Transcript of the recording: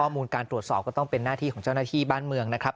มูลการตรวจสอบก็ต้องเป็นหน้าที่ของเจ้าหน้าที่บ้านเมืองนะครับ